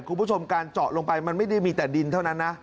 คุณผู้ชมการเจาะลงไปมันไม่ได้มีแต่ดินเท่านั้นนะ